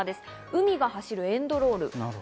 『海が走るエンドロール』。